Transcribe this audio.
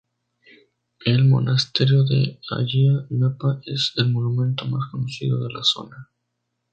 El Monasterio de Ayia Napa es el monumento más conocido de la zona.